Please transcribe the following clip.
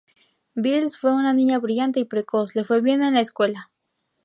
Beals fue una niña brillante y precoz, le fue bien en la escuela.